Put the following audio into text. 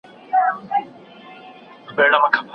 نوښت ستاسو کار ته نوی رنګ ورکوي.